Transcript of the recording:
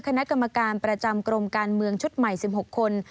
คณะกรรมการประจำกรมการเมืองชุดใหม่๑๖คน